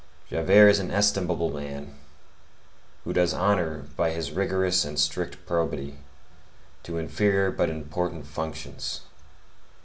Javert is an estimable man, who does honor by his rigorous and strict probity to inferior but important functions.